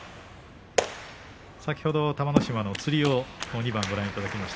先ほど玉乃島のつりを２番ご覧いただきました。